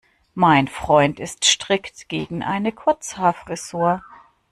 Mein Freund ist strikt gegen eine Kurzhaarfrisur.